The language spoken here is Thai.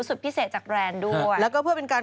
สุดพิเศษจากแบรนด์ด้วย